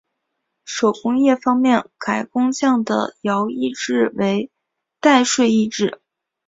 手工业方面改工匠的徭役制为代税役制。